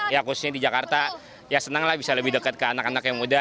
ya khususnya di jakarta ya senang lah bisa lebih dekat ke anak anak yang muda